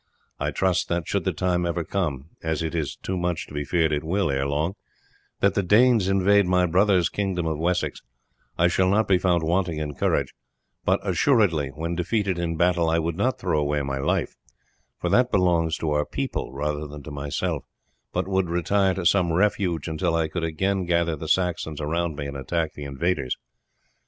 I trust that, should the time ever come, as it is too much to be feared it will ere long, that the Danes invade my brother's kingdom of Wessex, I shall not be found wanting in courage; but assuredly when defeated in battle I would not throw away my life, for that belongs to our people rather than to myself, but would retire to some refuge until I could again gather the Saxons around me and attack the invaders.